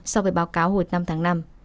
so với báo cáo hồi năm tháng năm